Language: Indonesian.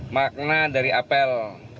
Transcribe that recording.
makna dari apel